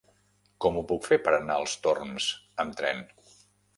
Com ho puc fer per anar als Torms amb tren?